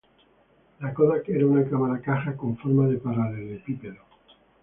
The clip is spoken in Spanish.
La Kodak era una cámara caja con forma de paralelepípedo.